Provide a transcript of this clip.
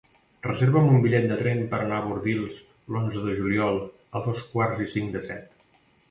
Reserva'm un bitllet de tren per anar a Bordils l'onze de juliol a dos quarts i cinc de set.